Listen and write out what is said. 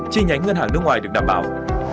chi nhánh ngân hàng nước ngoài được đảm bảo